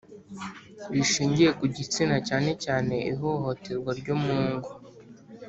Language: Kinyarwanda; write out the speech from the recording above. rishingiye ku gitsina cyane cyane ihohoterwa ryo mu ngo